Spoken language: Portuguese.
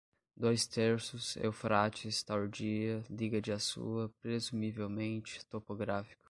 Dois terços, Eufrates, tardia, liga de Assua, presumivelmente, topográfico